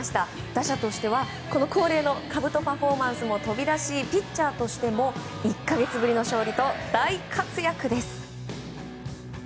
打者としては恒例のかぶとパフォーマンスも飛び出し、ピッチャーとしても１か月ぶりの勝利と大活躍です。